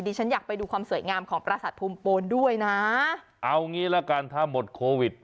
ฉันอยากไปดูความสวยงามของประสาทภูมิปูนด้วยนะเอางี้ละกันถ้าหมดโควิด